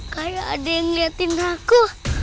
kayak ada yang ngeliatin aku